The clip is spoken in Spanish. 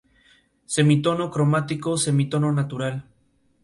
La sección superior se cubre con una tapa perforada una vez introducida la pasta.